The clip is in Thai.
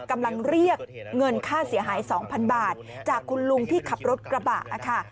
กำลังเรียกเงินค่าเสียหาย๒๐๐๐บาทจากคุณลุงที่ขับรถกระบะค่ะ